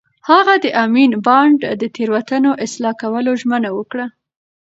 هغه د امین بانډ د تېروتنو اصلاح کولو ژمنه وکړه.